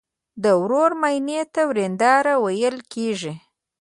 د ورور ماینې ته وریندار ویل کیږي.